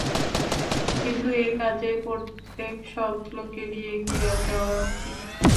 কিন্তু এ কাজে প্রত্যেক সৎলোকেরই এগিয়ে যাওয়া উচিত।